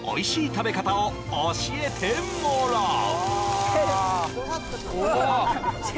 食べ方を教えてもらうおお！